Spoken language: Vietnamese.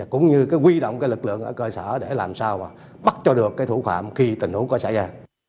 cũng như quy động lực lượng ở cơ sở để làm sao bắt cho được thủ phạm khi tình huống có xảy ra